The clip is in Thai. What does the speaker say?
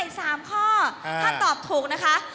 ถ้าตอบถูกนะคะ